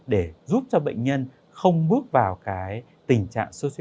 để giúp cho bệnh nhân không bước